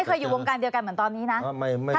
เคยอยู่วงการเดียวกันเหมือนตอนนี้นะ